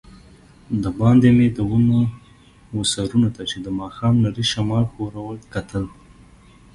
دباندې مې د ونو وه سرونو ته چي د ماښام نري شمال ښورول، کتل.